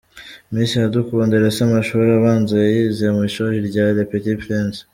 Miss Iradukunda Elsa amashuri abanza yayize mu ishuri rya “Le petit Prince”.